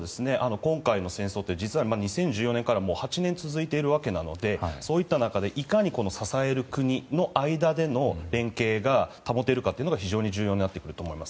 今回の戦争って実は２０１４年から８年続いているわけなのでそういった中でいかに支える国の間での連携が保てるかが非常に重要になってくると思います。